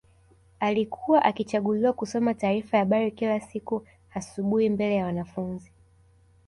Alikuwa akichaguliwa kusoma taarifa ya habari kila siku asubuhi mbele ya wanafunzi